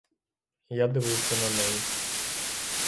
Я дивився на неї.